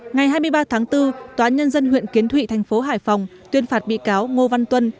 ngày hai mươi ba tháng bốn tòa nhân dân huyện kiến thụy thành phố hải phòng tuyên phạt bị cáo ngô văn tuân